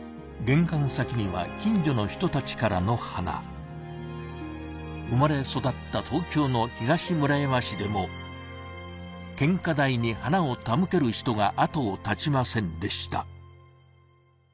玄関先には近所の人達からの花生まれ育った東京の東村山市でも献花台に花を手向ける人があとを絶ちませんでした